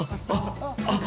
あっ！